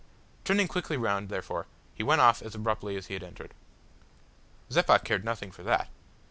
Turning quickly round, therefore, he went off as abruptly as he had entered. Zeppa cared nothing for that.